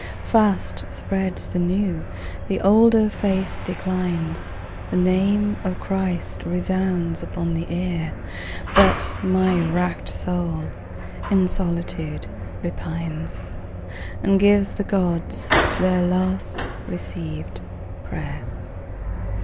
Fast spreads the new; the older faith declines. The name of Christ resounds upon the air. But my wrack'd soul in solitude repines And gives the Gods their last receivèd pray'r.